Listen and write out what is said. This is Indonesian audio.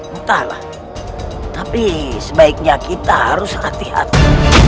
entahlah tapi sebaiknya kita harus hati hati